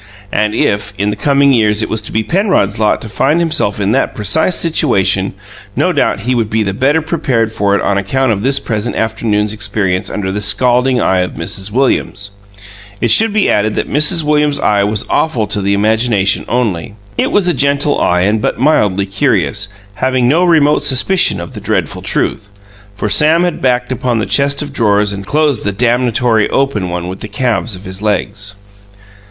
And if, in the coming years it was to be Penrod's lot to find himself in that precise situation, no doubt he would be the better prepared for it on account of this present afternoon's experience under the scalding eye of Mrs. Williams. It should be added that Mrs. Williams's eye was awful to the imagination only. It was a gentle eye and but mildly curious, having no remote suspicion of the dreadful truth, for Sam had backed upon the chest of drawers and closed the damnatory open one with the calves of his legs.